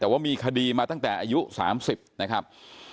แต่ว่ามีคดีมาตั้งแต่อายุ๓๐นะครับ